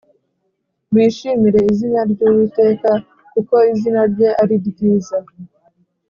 Bishimire izina ry Uwiteka Kuko izina rye ari ryiza